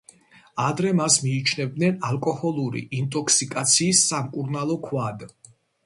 ადრე მას მიიჩნევდნენ ალკოჰოლური ინტოქსიკაციის სამკურნალო ქვად.